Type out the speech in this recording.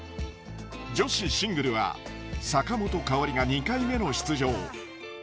女子シングルは坂本花織が２回目の出場。